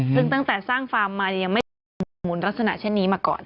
ซึ่งตั้งแต่สร้างฟาร์มมายังไม่มุนลักษณะเช่นนี้มาก่อน